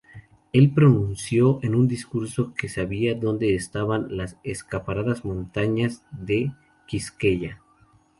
Él pronunció en un discurso que sabía dónde estaban "las escarpadas montañas de Quisqueya".